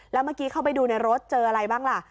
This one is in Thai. แล้วเมื่อกี้เข้าไปดูในรถเจออะไรบ้างล่ะ